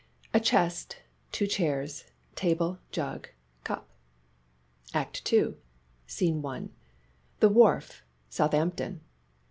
A chest, two chairs, table, jug, cup. ACT II SCENE I. "THE WHARF, SOUTHAMPTON."